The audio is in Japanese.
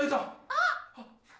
あっ！